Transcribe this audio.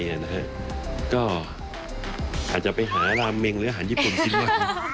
อาจจะไปหาราเมงหรืออาหารญี่ปุ่นคิดว่า